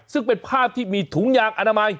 ซึ่งเป็นภาพที่มีถุงยางอนามัย